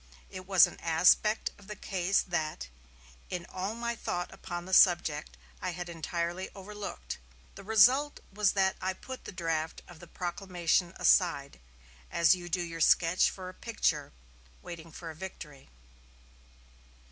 It was an aspect of the case that, in all my thought upon the subject, I had entirely overlooked. The result was that I put the draft of the proclamation aside, as you do your sketch for a picture, waiting for a victory."